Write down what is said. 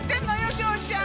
章ちゃん。